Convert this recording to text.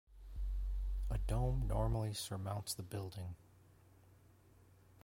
A dome normally surmounts the building.